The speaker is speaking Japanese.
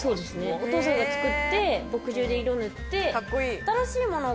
お父さんが作って墨汁で色塗って。